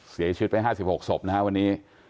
เสียชีวิตไป๕๖ศพนะฮะวันนี้